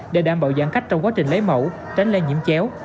để đảm bảo giãn cách trong quá trình lấy mẫu tránh lây nhiễm chéo